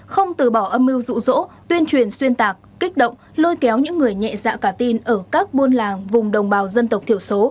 không từ bỏ âm mưu rụ rỗ tuyên truyền xuyên tạc kích động lôi kéo những người nhẹ dạ cả tin ở các buôn làng vùng đồng bào dân tộc thiểu số